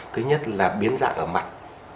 thứ nhất là biến dạng ở mặt